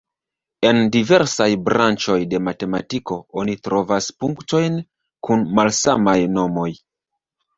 En diversaj branĉoj de matematiko oni trovas punktojn kun malsamaj nomoj.